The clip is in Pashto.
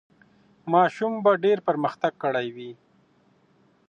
ماشوم به پرمختګ کړی وي.